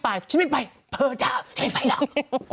พี่ชิมิตไปเผลอเจ้าชิมิตไปหรอก